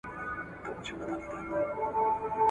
پروازونه یې څښتن ته تماشا وه `